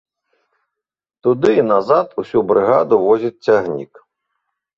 Туды і назад усю брыгаду возіць цягнік.